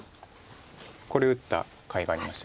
これ打ったかいがありました。